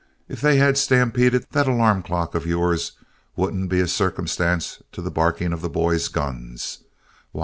If they had stampeded, that alarm clock of yours wouldn't be a circumstance to the barking of the boys' guns.